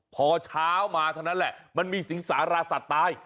พอเช้ามาเท่านั้นแหละมันมีสิงสารสัตว์ตาย